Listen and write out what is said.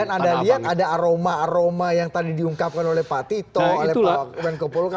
dan anda lihat ada aroma aroma yang tadi diungkapkan oleh pak tito pak weng kopolo